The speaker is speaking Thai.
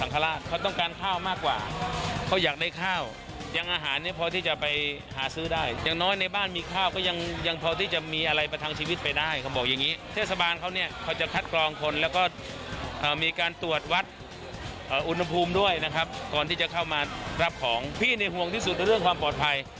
ก่อนที่จะเข้ามารับของพี่เนี่ยห่วงที่สุดเรื่องความปลอดภัย